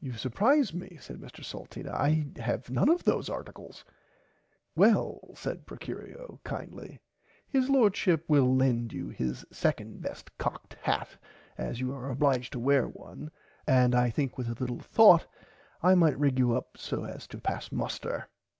You supprise me said Mr Salteena I have none of those articles. Well said Procurio kindly his lordship will lend you his second best cocked hat as you are obliged to wear one and I think with a little thourght I might rig you up so as to pass muster.